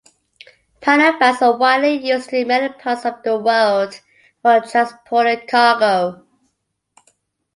Panel vans are widely used in many parts of the world for transporting cargo.